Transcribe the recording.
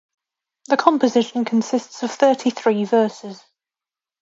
The composition consists of thirty-three verses.